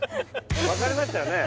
分かりましたよね？